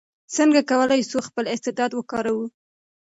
څنګه کولای سو خپل استعداد وکاروو؟